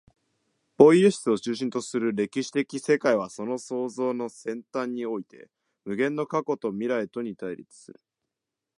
ポイエシスを中心とする歴史的世界は、その創造の尖端において、無限の過去と未来とに対立する。